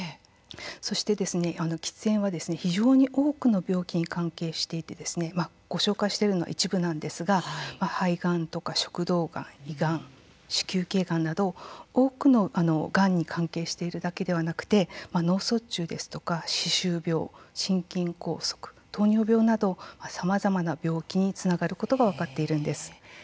そして喫煙は非常に多くの病気に関係していてご紹介しているのは一部なんですが肺がんとか食道がん、胃がん子宮けいがんなど多くのがんに関係しているだけではなくて脳卒中ですとか歯周病、心筋梗塞、糖尿病などさまざまな病気につながることが分かっているんです。